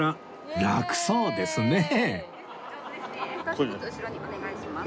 片足ずつ後ろにお願いします。